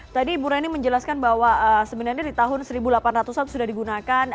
tadi ibu reni menjelaskan bahwa sebenarnya di tahun seribu delapan ratus an sudah digunakan